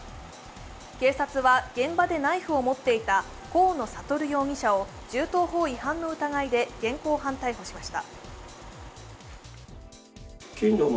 警察は現場でナイフを持っていた河野智容疑者を銃刀法違反の疑いで現行犯逮捕しました。